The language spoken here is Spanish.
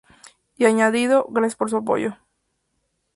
Y añadió: "Gracias por su apoyo.